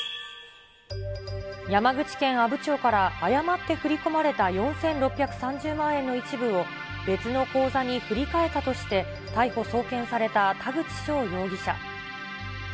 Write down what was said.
山口県阿武町から誤って振り込まれた４６３０万円の一部を別の口座に振り替えたとして、逮捕・送検された田口翔容疑者。